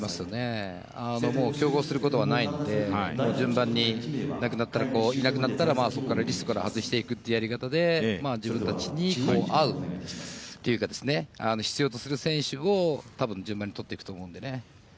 競合することはないので、順番にいなくなったら、そこからリストから外していくいとうやり方で、自分たちに合うとうか必要とする選手を多分順番に取っていくと思うのでね。